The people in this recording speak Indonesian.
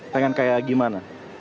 pengen kayak gimana